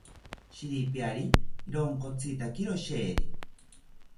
Shiripiari ronkotzitakiro isheri